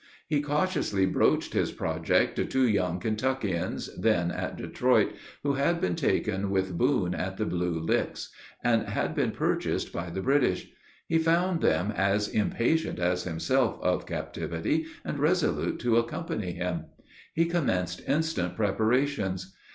He cautiously broached his project to two young Kentuckians, then at Detroit, who had been taken with Boone at the Blue Licks, and had been purchased by the British. He found them as impatient as himself of captivity, and resolute to accompany him. He commenced instant preparations.